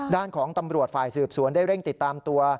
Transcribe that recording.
ด้านของตำรวจฝ่ายสืบสวนได้เร่งติดตามตัว